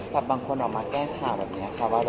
บางคนออกมาแก้ข่าวแบบเนี้ย